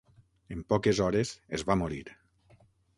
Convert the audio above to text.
En poques hores es va morir.